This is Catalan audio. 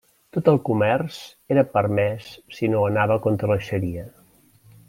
Tot el comerç era permès si no anava contra la xaria.